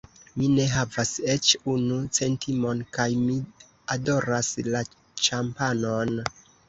Mi ne havas eĉ unu centimon kaj mi adoras la ĉampanon.